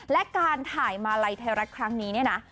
และการถ่ายมาลัยเทอร์รักษ์ครั้งนี้นะ